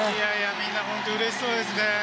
みんな本当に嬉しそうですね。